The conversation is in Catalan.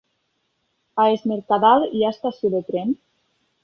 A Es Mercadal hi ha estació de tren?